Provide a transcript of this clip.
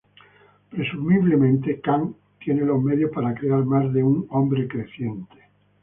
Presumiblemente "Kang" tiene los medios para crear más de un "Hombre creciente".